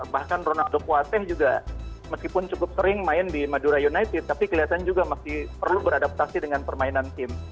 bahkan ronaldo kuateh juga meskipun cukup sering main di madura united tapi kelihatan juga masih perlu beradaptasi dengan permainan tim